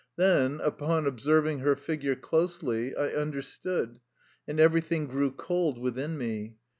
Then, upon observing her figure closely, I understood, and everything grew cold within me.